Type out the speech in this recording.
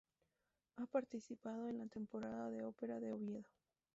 Ha participado en la Temporada de Opera de Oviedo.